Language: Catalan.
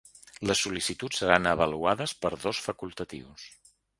Les sol·licituds seran avaluades per dos facultatius.